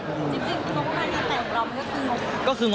จริงงบใดนี้แต่ของเรามันก็คืองบ